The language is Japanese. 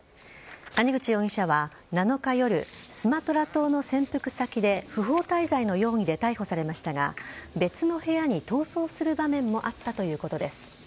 谷口容疑者は７日夜スマトラ島の潜伏先で不法滞在の容疑で逮捕されましたが別の部屋に逃走する場面もあったということです。